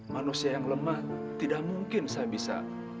manusia yang lemah tidak mungkin saya bisa